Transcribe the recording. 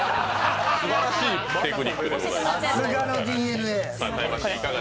すばらしいテクニックでございます。